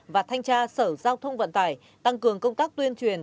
và thanh tra sở giao thông vận tải tăng cường công tác tuyên truyền